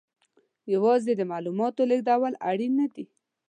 یوازې د معلوماتو لېږدول اړین نه دي.